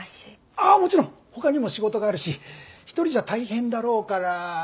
ああもちろんほかにも仕事があるし一人じゃ大変だろうから。